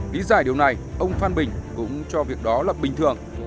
lý giải điều này ông phan bình cũng cho việc đó là bình thường